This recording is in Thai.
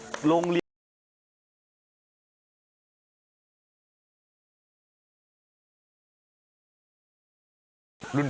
นี่ไงยิบมัน